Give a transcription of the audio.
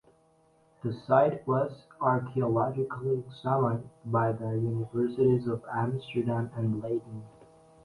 The site was archaeologically examined by the Universities of Amsterdam and Leiden.